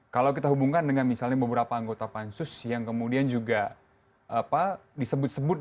kalau kita hubungkan dengan misalnya beberapa anggota pansus yang kemudian juga disebut sebut